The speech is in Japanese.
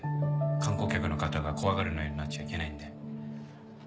観光客の方が怖がる内容になっちゃいけないんで。